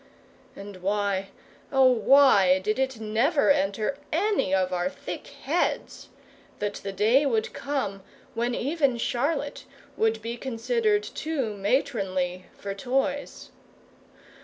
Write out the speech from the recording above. And why, oh, why did it never enter any of our thick heads that the day would come when even Charlotte would be considered too matronly for toys?